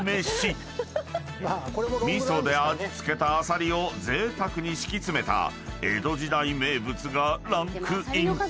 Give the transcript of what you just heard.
［味噌で味付けたあさりをぜいたくに敷き詰めた江戸時代名物がランクイン］